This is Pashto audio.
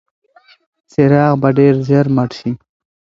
څراغ به ډېر ژر مړ شي.